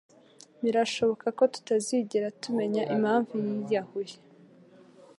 Birashoboka ko tutazigera tumenya impamvu yiyahuye.